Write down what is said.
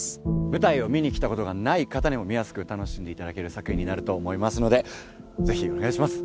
舞台を見に来たことがない方にも見やすく楽しんでいただける作品になると思いますのでぜひお願いします